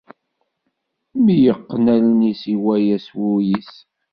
Mi yeqqen allen-is iwala s wul-is!